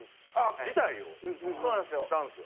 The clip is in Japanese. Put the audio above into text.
辞退をしたんですよ。